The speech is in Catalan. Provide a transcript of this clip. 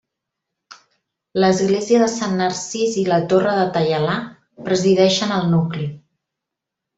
L’església de Sant Narcís i la torre de Taialà presideixen el nucli.